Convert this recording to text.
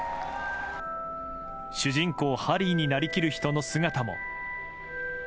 主人公ハリーになりきる人の姿も。